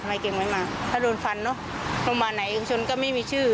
ไม่เก็บไว้มาถ้าโดนฟันเนอะโรงพยาบาลไหนชนก็ไม่มีชื่อ